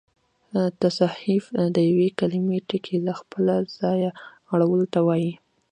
تصحیف د یوې کليمې ټکي له خپله ځایه اړولو ته وا يي.